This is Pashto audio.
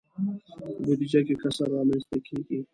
په بودجه کې کسر رامنځته کیږي.